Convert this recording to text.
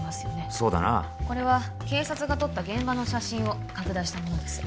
そうだなこれは警察が撮った現場の写真を拡大したものです